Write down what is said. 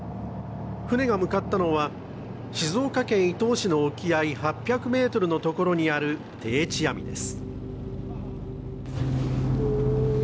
船が向かったのは静岡県伊東市の沖合８００ｍのところにある定置網です。